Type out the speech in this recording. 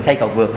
xây cầu vượt